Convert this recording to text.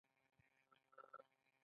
او ګرځېدل هم نرۍ ملا زوري -